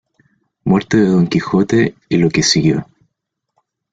Muerte de Don Quijote, y lo que siguió.